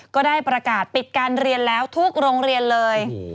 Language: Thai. ก็ได้ประกาศปิดการเรียนแล้วทุกโรงเรียนเลย